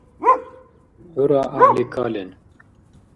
ХӀура гӀяхӀли кален!